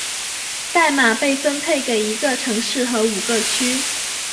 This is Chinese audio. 代码被分配给一个城市和五个区。